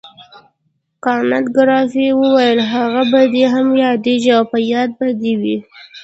کانت ګریفي وویل هغه به دې هم یادیږي او په یاد به دې وي.